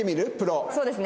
そうですね